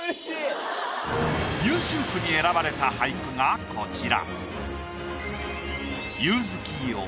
優秀句に選ばれた俳句がこちら。